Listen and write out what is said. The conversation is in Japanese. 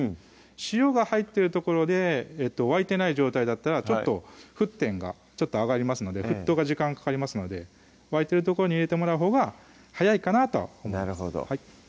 塩が入ってるところで沸いてない状態だったら沸点がちょっと上がりますので沸騰が時間かかりますので沸いてるところに入れてもらうほうが早いかなと思います